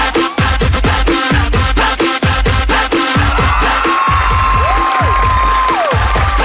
ขอบคุณครับ